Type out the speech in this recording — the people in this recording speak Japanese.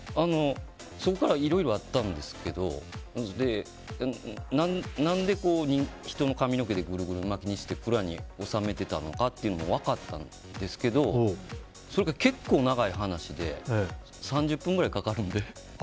そこからはいろいろあったんですけど何で人の髪の毛でぐるぐる巻きにして蔵に納めてたのかっていうのも分かったんですけどそれが結構長い話で３０分ぐらいかかるんで。